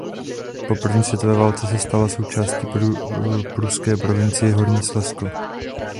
Po první světové válce se stala součástí pruské provincie Horní Slezsko.